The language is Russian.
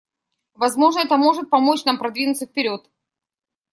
Возможно, это может помочь нам продвинуться вперед.